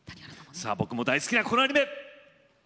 さあ僕も大好きなこのアニメ！